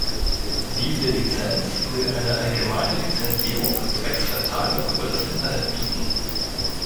Diese Lizenz will eine allgemeine Lizenzierung zwecks Verteilung über das Internet bieten.